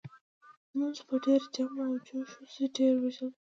لمونځ په ډېر جم و جوش وشو ډېر یې وژړل.